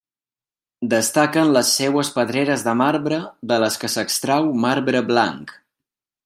Destaquen les seues pedreres de marbre de les que s'extrau marbre blanc.